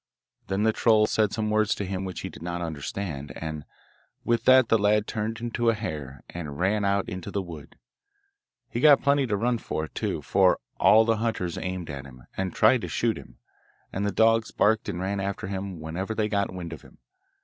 Then the troll said some words to him which he did not understand, and with that the lad turned into a hare, and ran out into the wood. He got plenty to run for, too, for all the hunters aimed at him, and tried to shoot him, and the dogs barked and ran after him wherever they got wind of him.